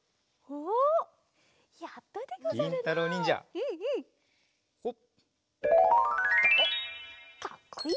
おっかっこいい！